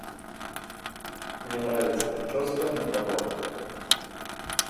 Мне нравится причёска на пробор.